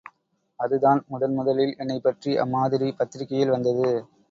அதுதான் முதன் முதலில் என்னைப்பற்றி அம்மாதிரி பத்திரிகையில் வந்தது.